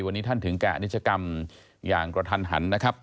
วันนี้ท่านถึงแก่อนิจกรรมอย่างกระทันหันนะครับ